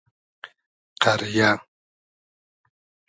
قئریۂ